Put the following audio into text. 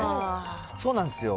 そうなんですよ。